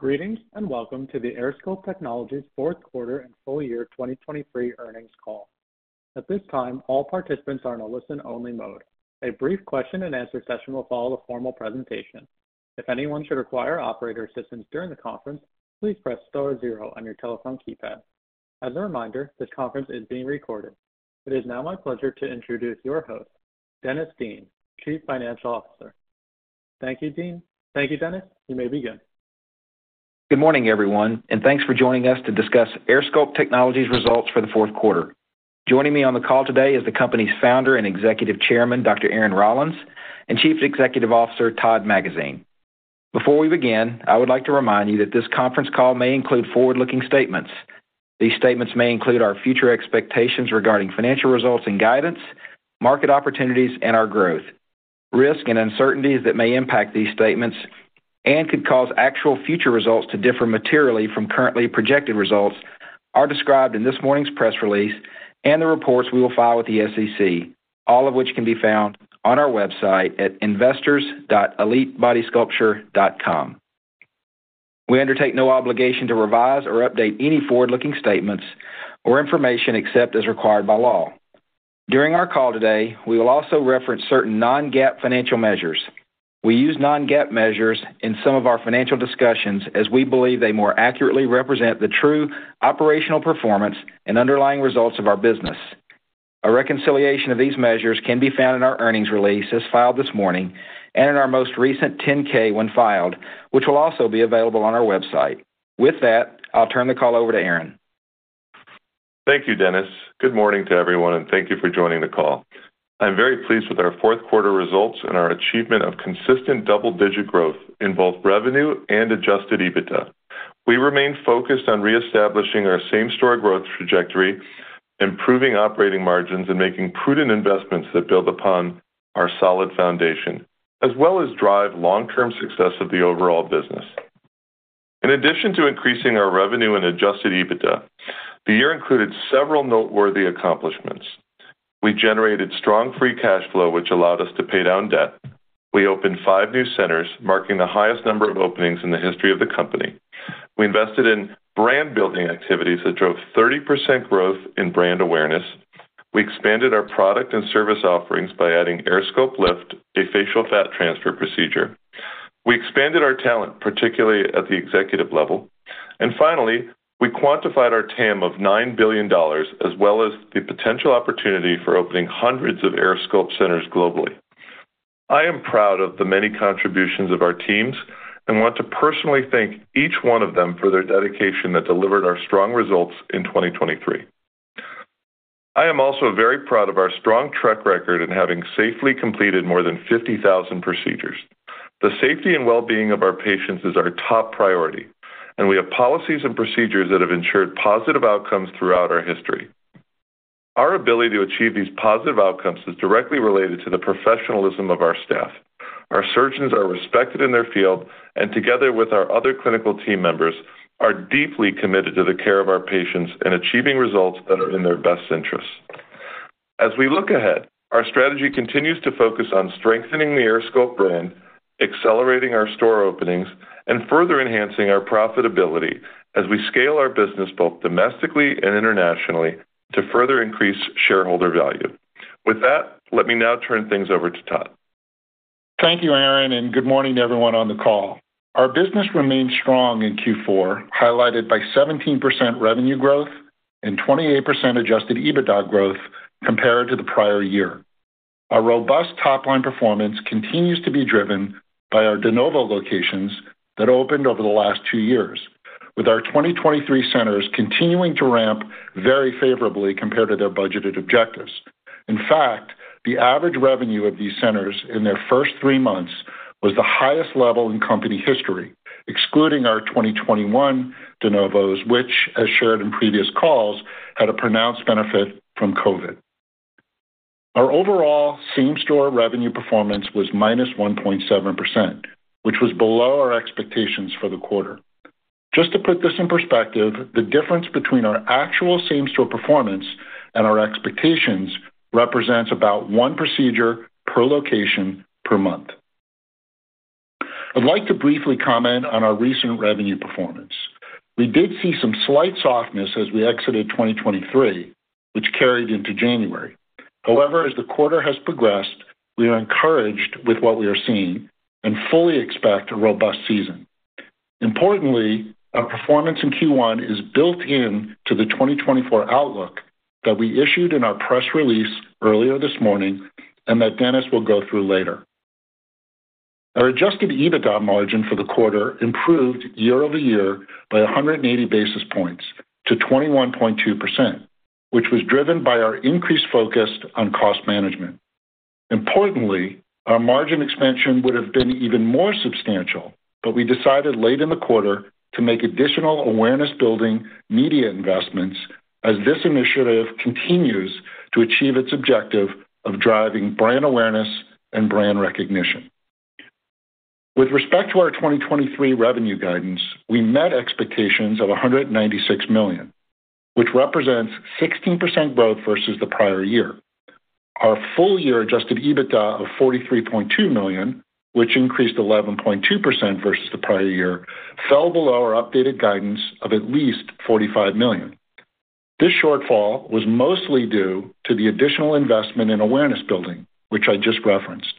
Greetings, and welcome to the AirSculpt Technologies fourth quarter and full year 2023 earnings call. At this time, all participants are in a listen-only mode. A brief question-and-answer session will follow the formal presentation. If anyone should require operator assistance during the conference, please press star zero on your telephone keypad. As a reminder, this conference is being recorded. It is now my pleasure to introduce your host, Dennis Dean, Chief Financial Officer. Thank you, Dean. Thank you, Dennis. You may begin. Good morning, everyone, and thanks for joining us to discuss AirSculpt Technologies results for the fourth quarter. Joining me on the call today is the company's founder and Executive Chairman, Dr. Aaron Rollins, and Chief Executive Officer, Todd Magazine. Before we begin, I would like to remind you that this conference call may include forward-looking statements. These statements may include our future expectations regarding financial results and guidance, market opportunities, and our growth. Risk and uncertainties that may impact these statements and could cause actual future results to differ materially from currently projected results are described in this morning's press release and the reports we will file with the SEC, all of which can be found on our website at investors.elitebodysculpture.com. We undertake no obligation to revise or update any forward-looking statements or information except as required by law. During our call today, we will also reference certain non-GAAP financial measures. We use non-GAAP measures in some of our financial discussions as we believe they more accurately represent the true operational performance and underlying results of our business. A reconciliation of these measures can be found in our earnings release, as filed this morning, and in our most recent 10-K, when filed, which will also be available on our website. With that, I'll turn the call over to Aaron. Thank you, Dennis. Good morning to everyone, and thank you for joining the call. I'm very pleased with our fourth quarter results and our achievement of consistent double-digit growth in both revenue and Adjusted EBITDA. We remain focused on reestablishing our same-store growth trajectory, improving operating margins, and making prudent investments that build upon our solid foundation, as well as drive long-term success of the overall business. In addition to increasing our revenue and Adjusted EBITDA, the year included several noteworthy accomplishments. We generated strong free cash flow, which allowed us to pay down debt. We opened five new centers, marking the highest number of openings in the history of the company. We invested in brand-building activities that drove 30% growth in brand awareness. We expanded our product and service offerings by adding AirSculpt Lift, a facial fat transfer procedure. We expanded our talent, particularly at the executive level. Finally, we quantified our TAM of $9 billion, as well as the potential opportunity for opening hundreds of AirSculpt centers globally. I am proud of the many contributions of our teams and want to personally thank each one of them for their dedication that delivered our strong results in 2023. I am also very proud of our strong track record in having safely completed more than 50,000 procedures. The safety and well-being of our patients is our top priority, and we have policies and procedures that have ensured positive outcomes throughout our history. Our ability to achieve these positive outcomes is directly related to the professionalism of our staff. Our surgeons are respected in their field, and together with our other clinical team members, are deeply committed to the care of our patients and achieving results that are in their best interests. As we look ahead, our strategy continues to focus on strengthening the AirSculpt brand, accelerating our store openings, and further enhancing our profitability as we scale our business, both domestically and internationally, to further increase shareholder value. With that, let me now turn things over to Todd. Thank you, Aaron, and good morning, everyone on the call. Our business remained strong in Q4, highlighted by 17% revenue growth and 28% Adjusted EBITDA growth compared to the prior year. Our robust top-line performance continues to be driven by our de novo locations that opened over the last two years, with our 2023 centers continuing to ramp very favorably compared to their budgeted objectives. In fact, the average revenue of these centers in their first three months was the highest level in company history, excluding our 2021 de novos, which, as shared in previous calls, had a pronounced benefit from COVID. Our overall same-store revenue performance was -1.7%, which was below our expectations for the quarter. Just to put this in perspective, the difference between our actual same-store performance and our expectations represents about one procedure per location per month. I'd like to briefly comment on our recent revenue performance. We did see some slight softness as we exited 2023, which carried into January. However, as the quarter has progressed, we are encouraged with what we are seeing and fully expect a robust season. Importantly, our performance in Q1 is built in to the 2024 outlook that we issued in our press release earlier this morning and that Dennis will go through later. Our Adjusted EBITDA margin for the quarter improved year-over-year by 180 basis points to 21.2%, which was driven by our increased focus on cost management. Importantly, our margin expansion would have been even more substantial, but we decided late in the quarter to make additional awareness-building media investments as this initiative continues to achieve its objective of driving brand awareness and brand recognition. With respect to our 2023 revenue guidance, we met expectations of $196 million, which represents 16% growth versus the prior year. Our full-year adjusted EBITDA of $43.2 million, which increased 11.2% versus the prior year, fell below our updated guidance of at least $45 million. This shortfall was mostly due to the additional investment in awareness building, which I just referenced.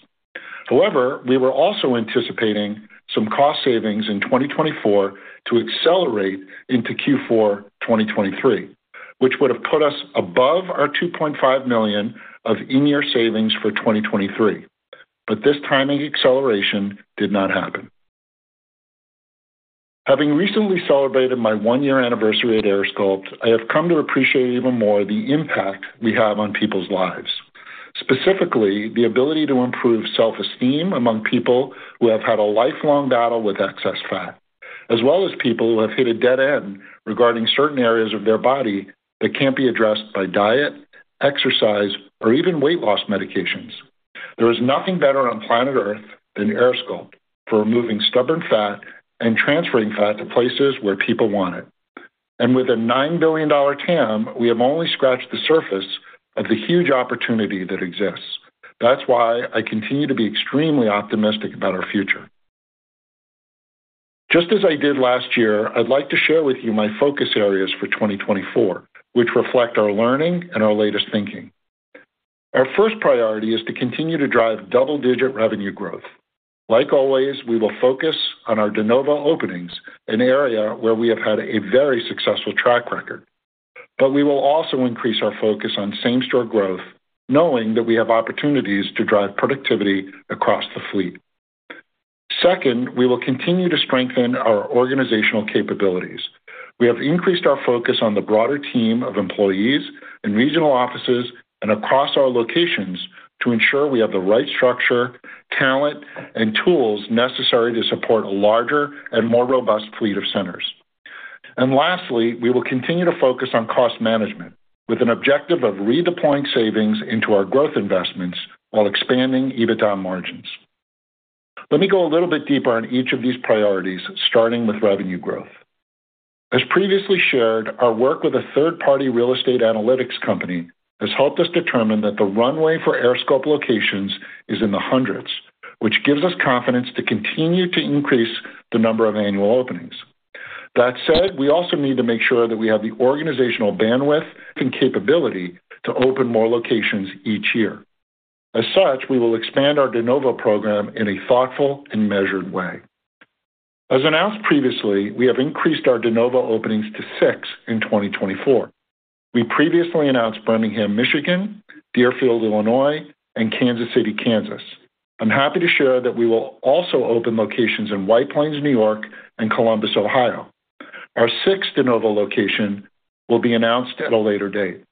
However, we were also anticipating some cost savings in 2024 to accelerate into Q4 2023, which would have put us above our $2.5 million of in-year savings for 2023. But this timing acceleration did not happen. Having recently celebrated my one-year anniversary at AirSculpt, I have come to appreciate even more the impact we have on people's lives. Specifically, the ability to improve self-esteem among people who have had a lifelong battle with excess fat, as well as people who have hit a dead end regarding certain areas of their body that can't be addressed by diet, exercise, or even weight loss medications. There is nothing better on planet Earth than AirSculpt for removing stubborn fat and transferring fat to places where people want it. With a $9 billion TAM, we have only scratched the surface of the huge opportunity that exists. That's why I continue to be extremely optimistic about our future. Just as I did last year, I'd like to share with you my focus areas for 2024, which reflect our learning and our latest thinking. Our first priority is to continue to drive double-digit revenue growth. Like always, we will focus on our de novo openings, an area where we have had a very successful track record. But we will also increase our focus on same-store growth, knowing that we have opportunities to drive productivity across the fleet. Second, we will continue to strengthen our organizational capabilities. We have increased our focus on the broader team of employees in regional offices and across our locations to ensure we have the right structure, talent, and tools necessary to support a larger and more robust fleet of centers. And lastly, we will continue to focus on cost management with an objective of redeploying savings into our growth investments while expanding EBITDA margins. Let me go a little bit deeper on each of these priorities, starting with revenue growth. As previously shared, our work with a third-party real estate analytics company has helped us determine that the runway for AirSculpt locations is in the hundreds, which gives us confidence to continue to increase the number of annual openings. That said, we also need to make sure that we have the organizational bandwidth and capability to open more locations each year. As such, we will expand our de novo program in a thoughtful and measured way. As announced previously, we have increased our de novo openings to 6 in 2024. We previously announced Birmingham, Michigan, Deerfield, Illinois, and Kansas City, Kansas. I'm happy to share that we will also open locations in White Plains, New York, and Columbus, Ohio. Our sixth de novo location will be announced at a later date.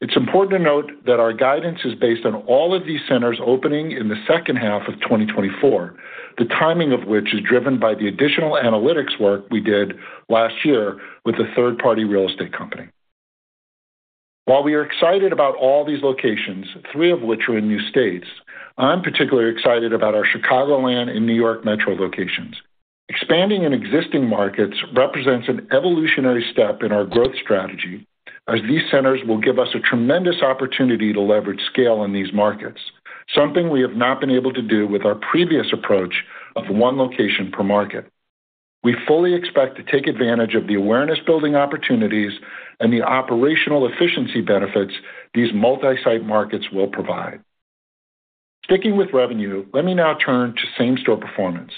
It's important to note that our guidance is based on all of these centers opening in the second half of 2024, the timing of which is driven by the additional analytics work we did last year with the third-party real estate company. While we are excited about all these locations, three of which are in new states, I'm particularly excited about our Chicagoland and New York Metro locations. Expanding in existing markets represents an evolutionary step in our growth strategy, as these centers will give us a tremendous opportunity to leverage scale in these markets, something we have not been able to do with our previous approach of one location per market. We fully expect to take advantage of the awareness-building opportunities and the operational efficiency benefits these multi-site markets will provide. Sticking with revenue, let me now turn to same-store performance.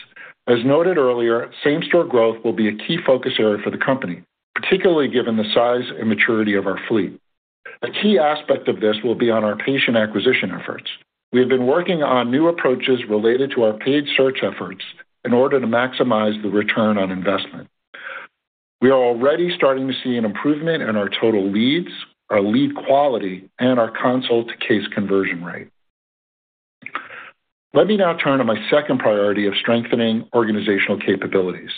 As noted earlier, same-store growth will be a key focus area for the company, particularly given the size and maturity of our fleet. A key aspect of this will be on our patient acquisition efforts. We have been working on new approaches related to our paid search efforts in order to maximize the return on investment. We are already starting to see an improvement in our total leads, our lead quality, and our consult-to-case conversion rate. Let me now turn to my second priority of strengthening organizational capabilities.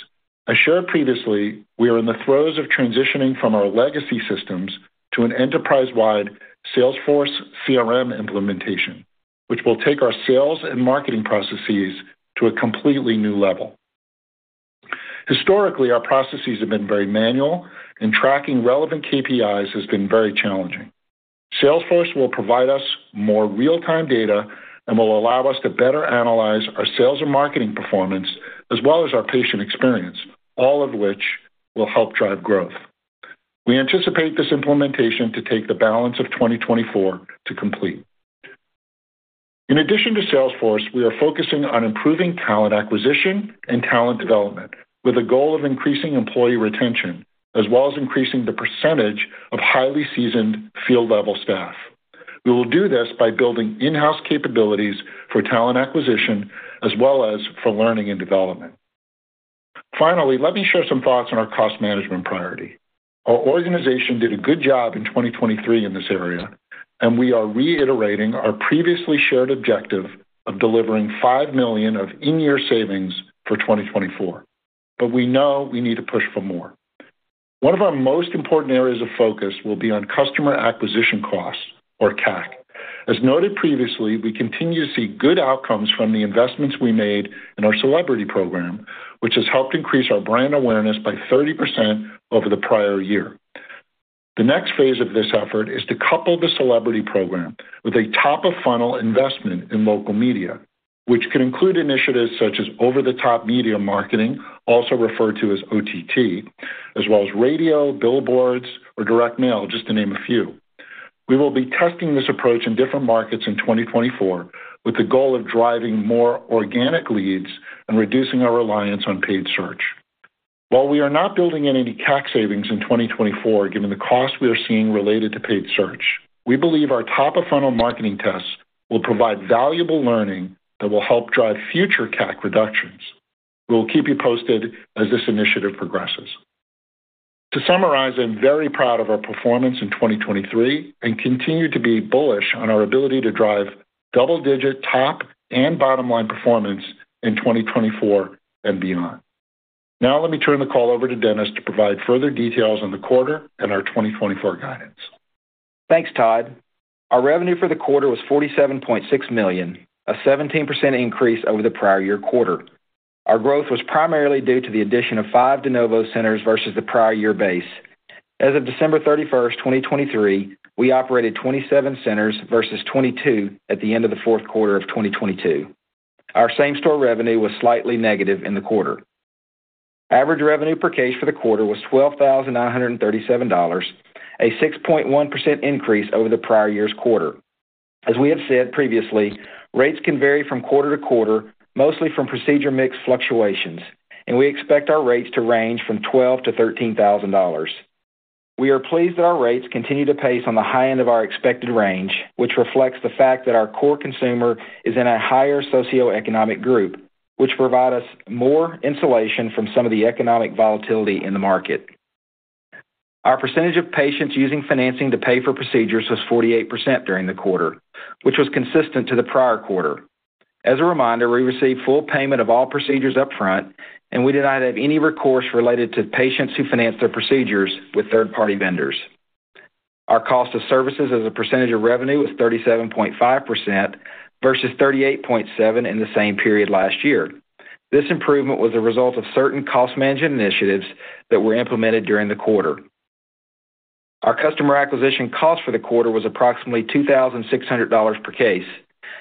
I shared previously, we are in the throes of transitioning from our legacy systems to an enterprise-wide Salesforce CRM implementation, which will take our sales and marketing processes to a completely new level. Historically, our processes have been very manual, and tracking relevant KPIs has been very challenging. Salesforce will provide us more real-time data and will allow us to better analyze our sales and marketing performance, as well as our patient experience, all of which will help drive growth. We anticipate this implementation to take the balance of 2024 to complete. In addition to Salesforce, we are focusing on improving talent acquisition and talent development, with a goal of increasing employee retention, as well as increasing the percentage of highly seasoned field-level staff. We will do this by building in-house capabilities for talent acquisition, as well as for learning and development. Finally, let me share some thoughts on our cost management priority. Our organization did a good job in 2023 in this area, and we are reiterating our previously shared objective of delivering $5 million of in-year savings for 2024. But we know we need to push for more. One of our most important areas of focus will be on Customer Acquisition Costs, or CAC. As noted previously, we continue to see good outcomes from the investments we made in our celebrity program, which has helped increase our brand awareness by 30% over the prior year. The next phase of this effort is to couple the celebrity program with a top-of-funnel investment in local media, which can include initiatives such as over-the-top media marketing, also referred to as OTT, as well as radio, billboards, or direct mail, just to name a few. We will be testing this approach in different markets in 2024, with the goal of driving more organic leads and reducing our reliance on paid search. While we are not building any CAC savings in 2024, given the cost we are seeing related to paid search, we believe our top-of-funnel marketing tests will provide valuable learning that will help drive future CAC reductions. We'll keep you posted as this initiative progresses. To summarize, I'm very proud of our performance in 2023 and continue to be bullish on our ability to drive double-digit top and bottom-line performance in 2024 and beyond. Now let me turn the call over to Dennis to provide further details on the quarter and our 2024 guidance. Thanks, Todd. Our revenue for the quarter was $47.6 million, a 17% increase over the prior year quarter. Our growth was primarily due to the addition of five de novo centers versus the prior year base. As of December 31, 2023, we operated 27 centers versus 22 at the end of the fourth quarter of 2022. Our same-store revenue was slightly negative in the quarter. Average revenue per case for the quarter was $12,937, a 6.1% increase over the prior year's quarter. As we have said previously, rates can vary from quarter to quarter, mostly from procedure mix fluctuations, and we expect our rates to range from $12,000-$13,000. We are pleased that our rates continue to pace on the high end of our expected range, which reflects the fact that our core consumer is in a higher socioeconomic group, which provide us more insulation from some of the economic volatility in the market. Our percentage of patients using financing to pay for procedures was 48% during the quarter, which was consistent to the prior quarter. As a reminder, we receive full payment of all procedures upfront, and we do not have any recourse related to patients who finance their procedures with third-party vendors. Our cost of services as a percentage of revenue was 37.5% versus 38.7% in the same period last year. This improvement was a result of certain cost management initiatives that were implemented during the quarter. Our customer acquisition cost for the quarter was approximately $2,600 per case,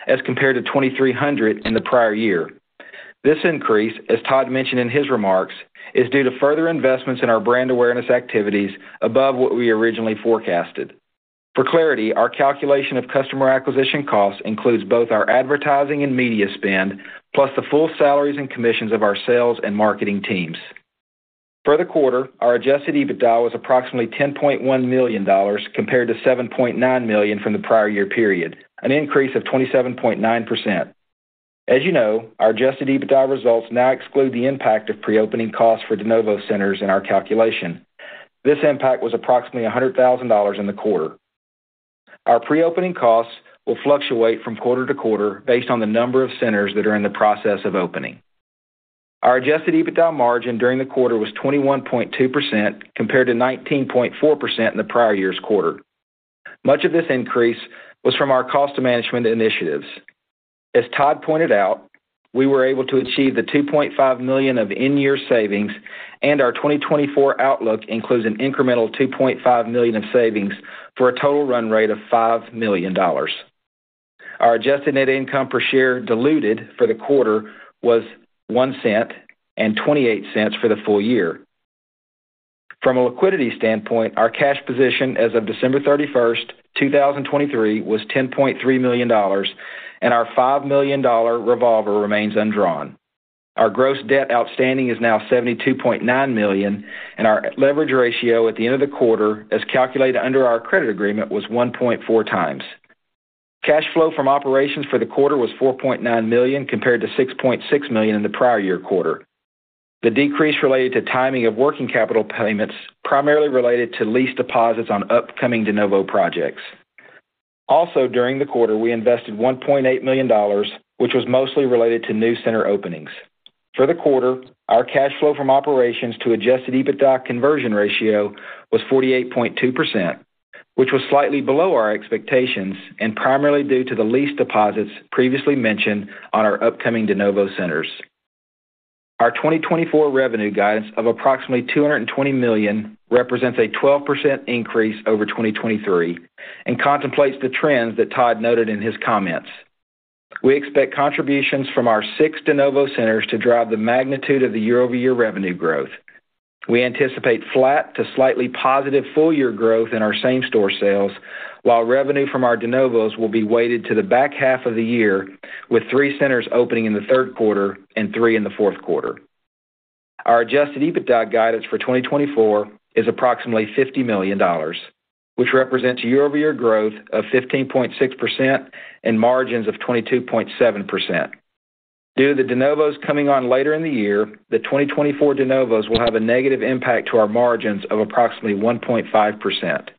as compared to $2,300 in the prior year. This increase, as Todd mentioned in his remarks, is due to further investments in our brand awareness activities above what we originally forecasted. For clarity, our calculation of customer acquisition costs includes both our advertising and media spend, plus the full salaries and commissions of our sales and marketing teams. For the quarter, our Adjusted EBITDA was approximately $10.1 million, compared to $7.9 million from the prior year period, an increase of 27.9%. As you know, our Adjusted EBITDA results now exclude the impact of preopening costs for de novo centers in our calculation. This impact was approximately $100,000 in the quarter. Our preopening costs will fluctuate from quarter to quarter based on the number of centers that are in the process of opening. Our Adjusted EBITDA margin during the quarter was 21.2%, compared to 19.4% in the prior year's quarter. Much of this increase was from our cost management initiatives. As Todd pointed out, we were able to achieve the $2.5 million of in-year savings, and our 2024 outlook includes an incremental $2.5 million in savings for a total run rate of $5 million. Our Adjusted Net Income per share diluted for the quarter was $0.01 and $0.28 for the full year. From a liquidity standpoint, our cash position as of December 31, 2023, was $10.3 million, and our $5 million revolver remains undrawn. Our gross debt outstanding is now $72.9 million, and our leverage ratio at the end of the quarter, as calculated under our credit agreement, was 1.4 times. Cash flow from operations for the quarter was $4.9 million, compared to $6.6 million in the prior year quarter. The decrease related to timing of working capital payments, primarily related to lease deposits on upcoming de novo projects. Also, during the quarter, we invested $1.8 million, which was mostly related to new center openings. For the quarter, our cash flow from operations to Adjusted EBITDA conversion ratio was 48.2%, which was slightly below our expectations and primarily due to the lease deposits previously mentioned on our upcoming de novo centers. Our 2024 revenue guidance of approximately $220 million represents a 12% increase over 2023 and contemplates the trends that Todd noted in his comments. We expect contributions from our six de novo centers to drive the magnitude of the year-over-year revenue growth. We anticipate flat to slightly positive full-year growth in our same-store sales, while revenue from our de novos will be weighted to the back half of the year, with three centers opening in the third quarter and three in the fourth quarter. Our Adjusted EBITDA guidance for 2024 is approximately $50 million, which represents year-over-year growth of 15.6% and margins of 22.7%. Due to the de novos coming on later in the year, the 2024 de novos will have a negative impact to our margins of approximately 1.5%.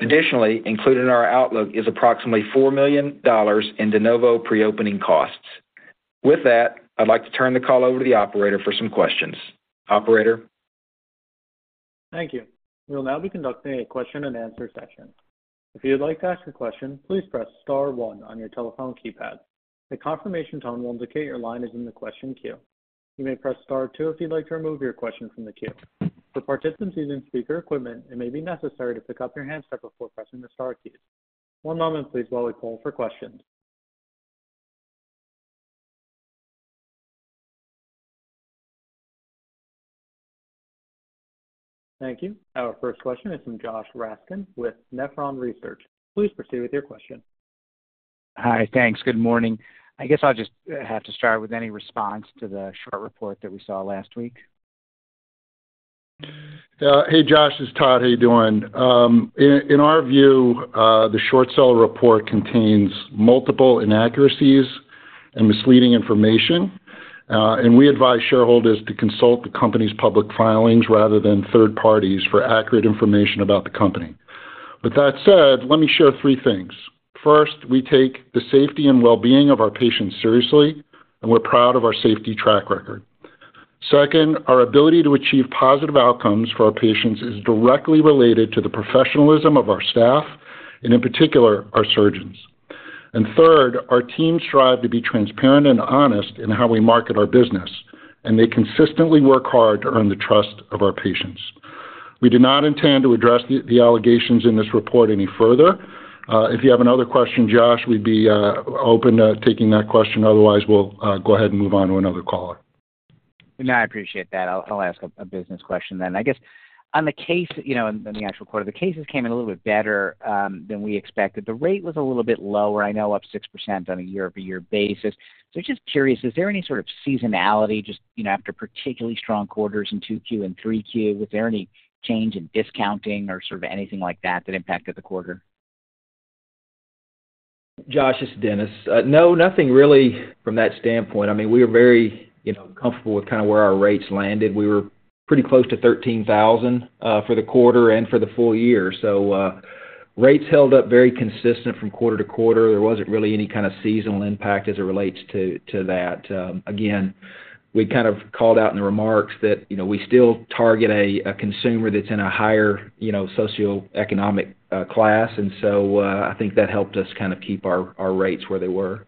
Additionally, included in our outlook is approximately $4 million in de novo preopening costs. With that, I'd like to turn the call over to the operator for some questions. Operator? Thank you. We'll now be conducting a question-and-answer session. If you'd like to ask a question, please press star one on your telephone keypad. The confirmation tone will indicate your line is in the question queue. You may press star two if you'd like to remove your question from the queue. For participants using speaker equipment, it may be necessary to pick up your handset before pressing the star key. One moment, please, while we poll for questions. Thank you. Our first question is from Josh Raskin with Nephron Research. Please proceed with your question. Hi. Thanks. Good morning. I guess I'll just have to start with any response to the short report that we saw last week. Hey, Josh, it's Todd. How you doing? In our view, the short seller report contains multiple inaccuracies and misleading information, and we advise shareholders to consult the company's public filings rather than third parties for accurate information about the company. With that said, let me share three things. First, we take the safety and well-being of our patients seriously, and we're proud of our safety track record. Second, our ability to achieve positive outcomes for our patients is directly related to the professionalism of our staff, and in particular, our surgeons. And third, our teams strive to be transparent and honest in how we market our business, and they consistently work hard to earn the trust of our patients. We do not intend to address the allegations in this report any further. If you have another question, Josh, we'd be open to taking that question. Otherwise, we'll go ahead and move on to another caller. No, I appreciate that. I'll ask a business question then. I guess on the case, you know, on the actual quarter, the cases came in a little bit better than we expected. The rate was a little bit lower, I know, up 6% on a year-over-year basis. So just curious, is there any sort of seasonality just, you know, after particularly strong quarters in 2Q and 3Q, was there any change in discounting or sort of anything like that that impacted the quarter? Josh, it's Dennis. No, nothing really from that standpoint. I mean, we are very, you know, comfortable with kind of where our rates landed. We were pretty close to $13,000 for the quarter and for the full year. So, rates held up very consistent from quarter to quarter. There wasn't really any kind of seasonal impact as it relates to that. Again, we kind of called out in the remarks that, you know, we still target a consumer that's in a higher, you know, socioeconomic class, and so, I think that helped us kind of keep our rates where they were.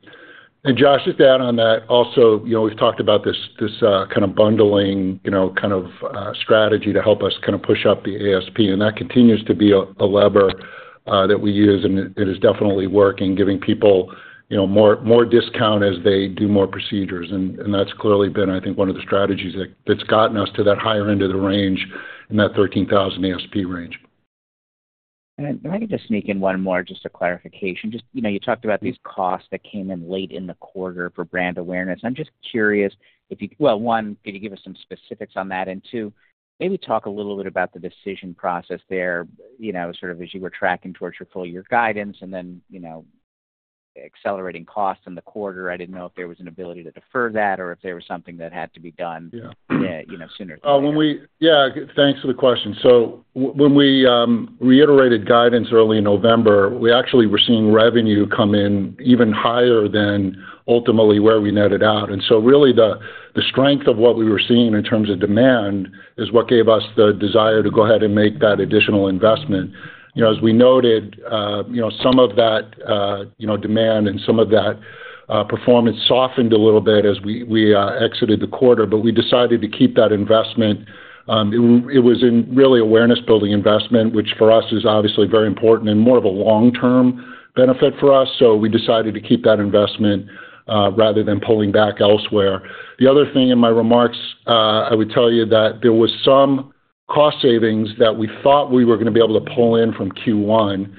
Josh, just to add on that also, you know, we've talked about this kind of bundling, you know, kind of strategy to help us kind of push up the ASP, and that continues to be a lever that we use, and it is definitely working, giving people, you know, more discount as they do more procedures. And that's clearly been, I think, one of the strategies that's gotten us to that higher end of the range in that 13,000 ASP range. If I could just sneak in one more, just a clarification. Just, you know, you talked about these costs that came in late in the quarter for brand awareness. I'm just curious if you, well, one, could you give us some specifics on that? And two, maybe talk a little bit about the decision process there, you know, sort of as you were tracking towards your full year guidance and then, you know, accelerating costs in the quarter. I didn't know if there was an ability to defer that or if there was something that had to be done. Yeah. Yeah, you know, sooner than later. Yeah, thanks for the question. So when we reiterated guidance early in November, we actually were seeing revenue come in even higher than ultimately where we netted out. And so really, the strength of what we were seeing in terms of demand is what gave us the desire to go ahead and make that additional investment. You know, as we noted, you know, some of that demand and some of that performance softened a little bit as we exited the quarter, but we decided to keep that investment. It was really awareness-building investment, which for us is obviously very important and more of a long-term benefit for us, so we decided to keep that investment rather than pulling back elsewhere. The other thing in my remarks, I would tell you that there was some cost savings that we thought we were gonna be able to pull in from Q1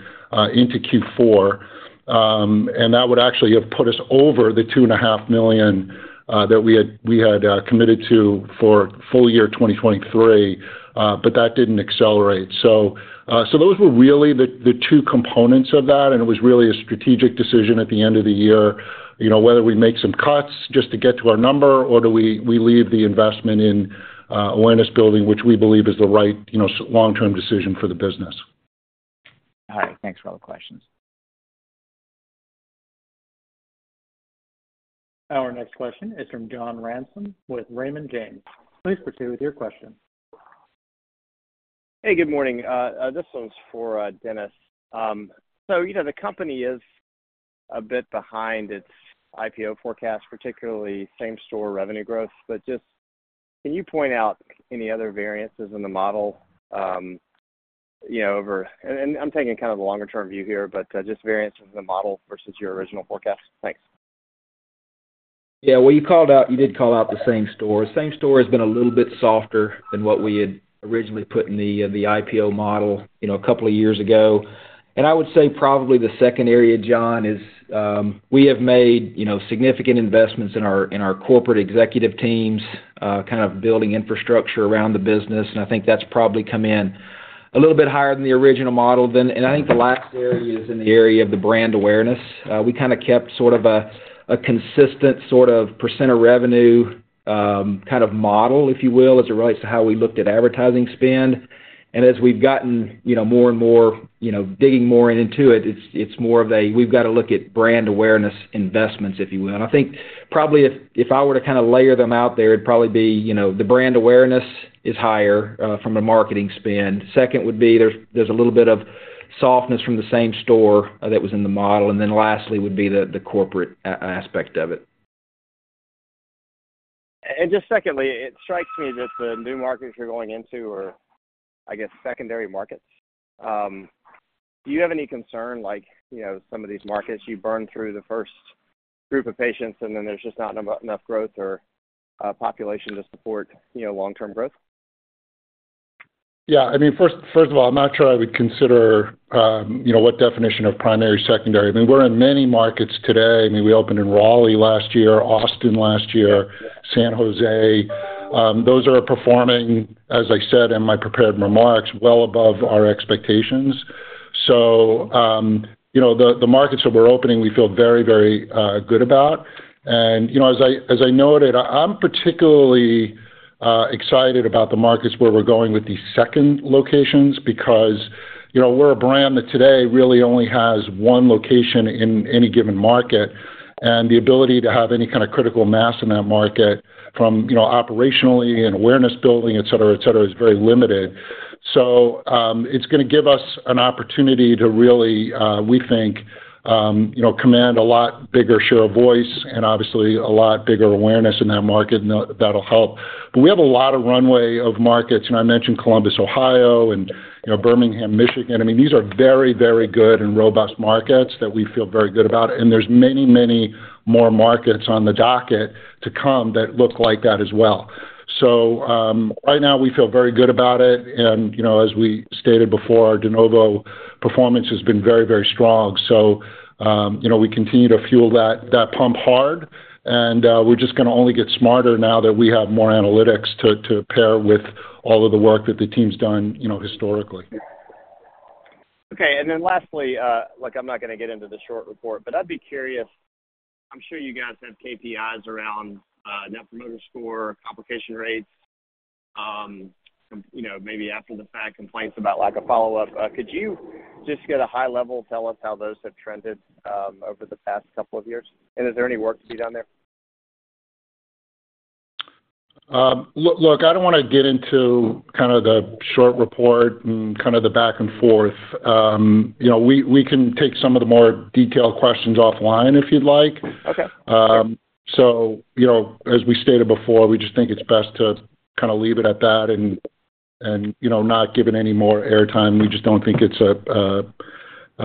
into Q4, and that would actually have put us over the $2.5 million that we had committed to for full year 2023, but that didn't accelerate. So, those were really the two components of that, and it was really a strategic decision at the end of the year, you know, whether we make some cuts just to get to our number, or do we leave the investment in awareness building, which we believe is the right, you know, long-term decision for the business. All right, thanks for all the questions. Our next question is from John Ransom with Raymond James. Please proceed with your question. Hey, good morning. This one's for Dennis. So, you know, the company is a bit behind its IPO forecast, particularly same-store revenue growth. But just, can you point out any other variances in the model, you know, over, and I'm taking kind of the longer-term view here, but just variances in the model versus your original forecast? Thanks. Yeah, well, you called out—you did call out the same store. Same store has been a little bit softer than what we had originally put in the IPO model, you know, a couple of years ago. I would say probably the second area, John, is we have made, you know, significant investments in our corporate executive teams, kind of building infrastructure around the business, and I think that's probably come in a little bit higher than the original model then. I think the last area is in the area of the brand awareness. We kind of kept sort of a consistent sort of percent of revenue, kind of model, if you will, as it relates to how we looked at advertising spend. As we've gotten, you know, more and more, you know, digging more into it, it's more of a we've got to look at brand awareness investments, if you will. I think probably if I were to kind of layer them out there, it'd probably be, you know, the brand awareness is higher from a marketing spend. Second would be, there's a little bit of softness from the same store that was in the model, and then lastly, would be the corporate aspect of it. Just secondly, it strikes me that the new markets you're going into are, I guess, secondary markets. Do you have any concern, like, you know, some of these markets, you burn through the first group of patients, and then there's just not enough growth or, population to support, you know, long-term growth? Yeah, I mean, first of all, I'm not sure I would consider, you know, what definition of primary, secondary. I mean, we're in many markets today. I mean, we opened in Raleigh last year, Austin last year, San Jose. Those are performing, as I said in my prepared remarks, well above our expectations. So, you know, the markets that we're opening, we feel very, very good about. And, you know, as I noted, I'm particularly excited about the markets where we're going with these second locations because, you know, we're a brand that today really only has one location in any given market, and the ability to have any kind of critical mass in that market from, you know, operationally and awareness building, et cetera, et cetera, is very limited. So, it's gonna give us an opportunity to really, we think, you know, command a lot bigger share of voice and obviously a lot bigger awareness in that market, and that, that'll help. But we have a lot of runway of markets, and I mentioned Columbus, Ohio, and, you know, Birmingham, Michigan. I mean, these are very, very good and robust markets that we feel very good about, and there's many, many more markets on the docket to come that look like that as well. So, right now, we feel very good about it, and, you know, as we stated before, our de novo performance has been very, very strong. So, you know, we continue to fuel that pump hard, and we're just gonna only get smarter now that we have more analytics to pair with all of the work that the team's done, you know, historically. Okay, and then lastly, look, I'm not gonna get into the short report, but I'd be curious. I'm sure you guys have KPIs around Net Promoter Score, complication rates, you know, maybe after the fact, complaints about lack of follow-up. Could you just get a high level, tell us how those have trended over the past couple of years? And is there any work to be done there? Look, look, I don't wanna get into kind of the short report and kind of the back and forth. You know, we can take some of the more detailed questions offline if you'd like. Okay. So, you know, as we stated before, we just think it's best to kinda leave it at that and, you know, not give it any more airtime. We just don't think it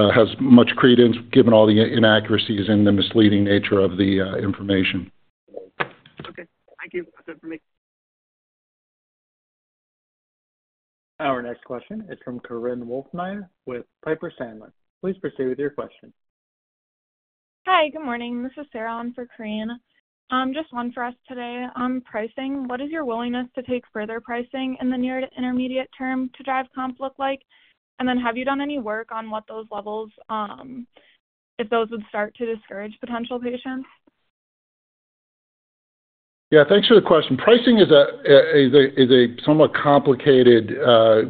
has much credence, given all the inaccuracies and the misleading nature of the information. Okay. Thank you. That's it for me. Our next question is from Korinne Wolfmeyer with Piper Sandler. Please proceed with your question. Hi, good morning. This is Sarah on for Korinne. Just one for us today. On pricing, what is your willingness to take further pricing in the near to intermediate term to drive comps look like? And then, have you done any work on what those levels, if those would start to discourage potential patients? Yeah, thanks for the question. Pricing is a somewhat complicated,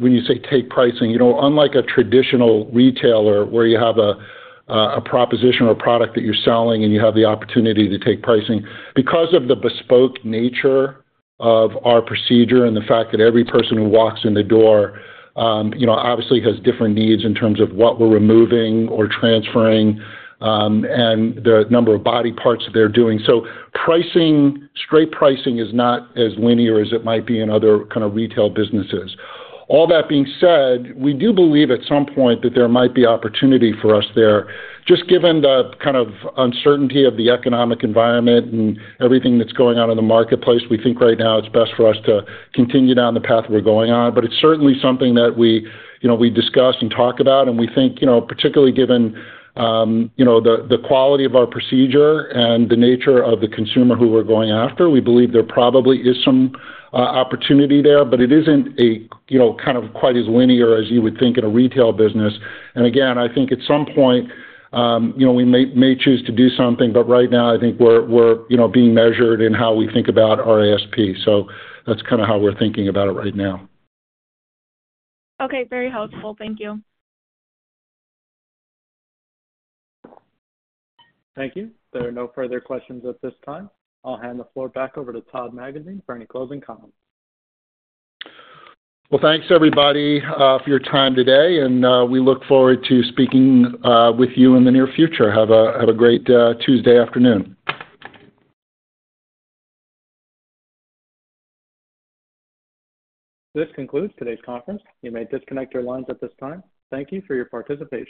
when you say take pricing, you know, unlike a traditional retailer, where you have a proposition or product that you're selling, and you have the opportunity to take pricing. Because of the bespoke nature of our procedure and the fact that every person who walks in the door, you know, obviously, has different needs in terms of what we're removing or transferring, and the number of body parts they're doing. So pricing, straight pricing is not as linear as it might be in other kind of retail businesses. All that being said, we do believe at some point that there might be opportunity for us there. Just given the kind of uncertainty of the economic environment and everything that's going on in the marketplace, we think right now it's best for us to continue down the path we're going on, but it's certainly something that we, you know, we discuss and talk about, and we think, you know, particularly given, you know, the quality of our procedure and the nature of the consumer who we're going after, we believe there probably is some opportunity there. But it isn't a, you know, kind of quite as linear as you would think in a retail business. And again, I think at some point, you know, we may choose to do something, but right now I think we're, you know, being measured in how we think about our ASP. So that's kinda how we're thinking about it right now. Okay, very helpful. Thank you. Thank you. There are no further questions at this time. I'll hand the floor back over to Todd Magazine for any closing comments. Well, thanks, everybody, for your time today, and, we look forward to speaking, with you in the near future. Have a great Tuesday afternoon. This concludes today's conference. You may disconnect your lines at this time. Thank you for your participation.